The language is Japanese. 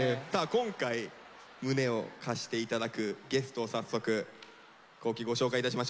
今回胸を貸していただくゲストを早速皇輝ご紹介いたしましょう。